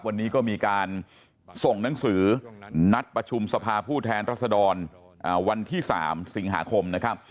วันนี้ก็มีการส่งหนังสือนัดประชุมสภาผู้แทนรัศดรวันที่๓สิงหาคมนะครับ